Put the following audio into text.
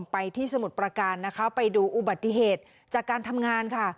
ไปที่สมุทรประการนะคะไปดูอุบัติเหตุจากการทำงานค่ะ